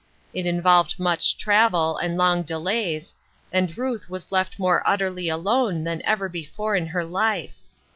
It involved much travel, and long delays, and Ruth was left more utterly alone than ever before in her life.